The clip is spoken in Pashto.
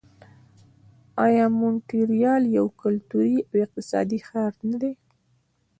آیا مونټریال یو کلتوري او اقتصادي ښار نه دی؟